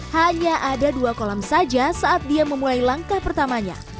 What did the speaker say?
hanya ada dua kolam saja saat dia memulai langkah pertamanya